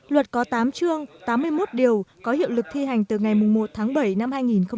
luật có tám chương tám mươi một điều có hiệu lực thi hành từ ngày một tháng bảy năm hai nghìn hai mươi